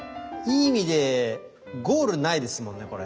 いい意味でゴールないですもんね